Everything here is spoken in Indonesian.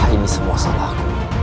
ini semua salahku